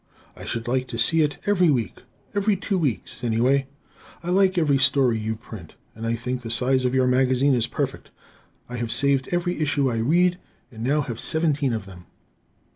I should like to see it every week; every two weeks, anyway. I like every story you print, and I think the size of your magazine is perfect. I have saved every issue I read, and now have seventeen of them.